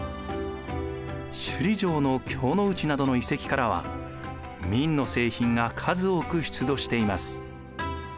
首里城の京の内などの遺跡からは明の製品が数多く出土しています。